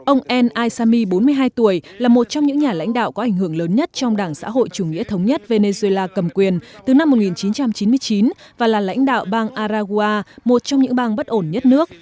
ông al asami bốn mươi hai tuổi là một trong những nhà lãnh đạo có ảnh hưởng lớn nhất trong đảng xã hội chủ nghĩa thống nhất venezuela cầm quyền từ năm một nghìn chín trăm chín mươi chín và là lãnh đạo bang aragua một trong những bang bất ổn nhất nước